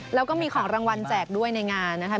แล้วก็มีของรางวัลแจกด้วยในงานนะคะ